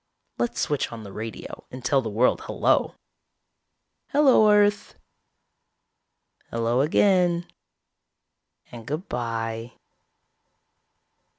Let's switch on the radio and tell the world hello. Hello, earth ... hello, again ... and good by ...